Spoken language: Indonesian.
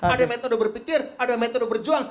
ada metode berpikir ada metode berjuang